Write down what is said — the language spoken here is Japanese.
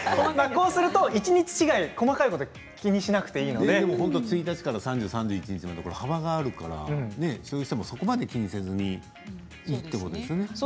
こうすると一日違い細かいことを気にしないで１日から３１日まで幅があるから、消費者もそこまで気にせずにいいということですね。